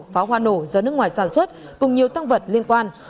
pháo hoa nổ do nước ngoài sản xuất cùng nhiều tăng vật liên quan